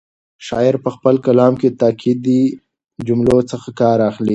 شاعر په خپل کلام کې له تاکېدي جملو څخه کار اخلي.